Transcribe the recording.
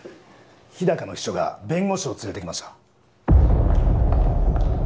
日高の秘書が弁護士を連れてきました